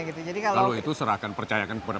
kalau itu serahkan percayakan kepada